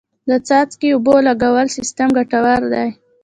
د څاڅکي اوبو لګولو سیستم ګټور دی.